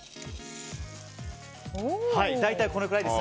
大体これくらいです。